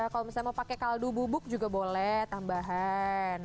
kalau misalnya mau pakai kaldu bubuk juga boleh tambahan